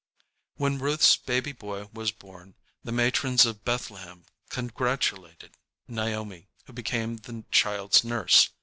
"] When Ruth's baby boy was born, the matrons of Bethlehem congratulated Naomi, who became the child's nurse.